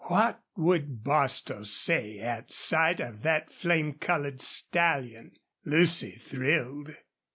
What would Bostil say at sight of that flame colored stallion? Lucy thrilled.